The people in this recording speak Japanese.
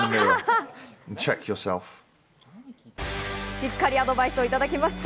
しっかりアドバイスをいただきました。